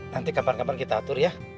nanti kapan kapan kita atur ya